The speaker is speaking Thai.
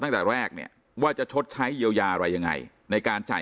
ตั้งแต่แรกเนี่ยว่าจะชดใช้เยียวยาอะไรยังไงในการจ่าย